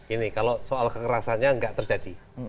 ini kalau soal kekerasannya nggak terjadi